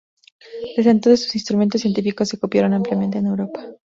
Desde entonces sus instrumentos científicos se copiaron ampliamente en Europa.